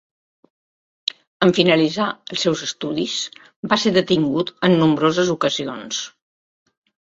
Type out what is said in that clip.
En finalitzar els seus estudis va ser detingut a nombroses ocasions.